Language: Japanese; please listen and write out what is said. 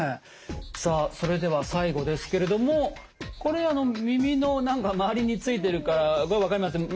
さあそれでは最後ですけれどもこれ耳の周りについてるからこれ分かります。